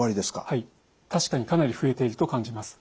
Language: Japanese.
はい確かにかなり増えていると感じます。